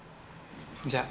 じゃあ。